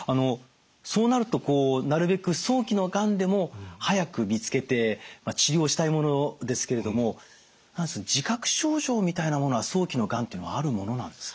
そうなるとなるべく早期のがんでも早く見つけて治療をしたいものですけれども自覚症状みたいなものは早期のがんというのはあるものなんですか？